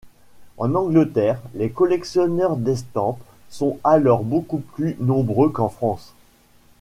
En Angleterre, les collectionneurs d'estampes sont alors beaucoup plus nombreux qu'en France.